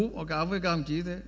báo cáo với các ông chí thế